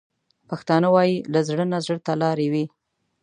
پښتانه وايي: له زړه نه زړه ته لارې وي.